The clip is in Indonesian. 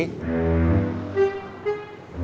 kita masih perlu dua orang lagi